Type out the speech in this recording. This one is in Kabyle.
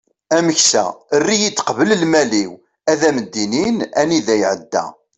ameksa err-iyi-d qbel lmal-iw ad am-d-inin anida iεedda